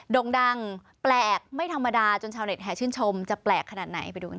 ด่งดังแปลกไม่ธรรมดาจนชาวเน็ตแห่ชื่นชมจะแปลกขนาดไหนไปดูกัน